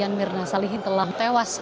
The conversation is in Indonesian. mirna salihin telah tewas